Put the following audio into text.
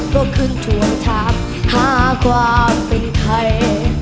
ก็คืนถวงธรรมห้าความเป็นใคร